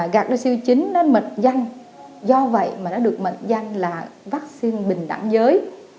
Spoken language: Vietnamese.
gạt ra siêu chín nó mệnh danh do vậy mà nó được mệnh danh là vaccine bình đẳng giới